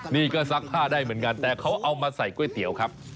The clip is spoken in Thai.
นี่ก็ซักผ้าได้เหมือนกันแต่เขาเอามาใส่ก๋วยเตี๋ยวครับ